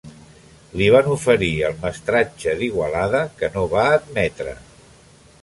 Li van oferir el mestratge d'Igualada, que no va admetre.